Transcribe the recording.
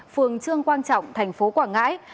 phường trương quang trọng thành phố quảng ngãi